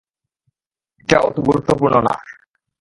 বাকিটা ওতো গুরুত্বপূর্ণ না।